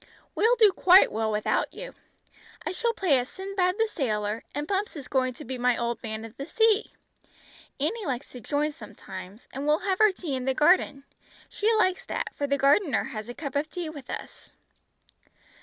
"We'll do quite well without you. I shall play at Sinbad the Sailor, and Bumps is going to be my Old Man of the Sea. Annie likes to join sometimes, and we'll have our tea in the garden. She likes that, for the gardener has a cup of tea with us."